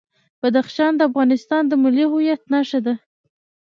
بدخشان د افغانستان د ملي هویت نښه ده.